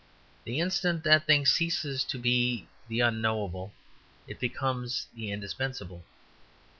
The instant that the thing ceases to be the unknowable, it becomes the indispensable.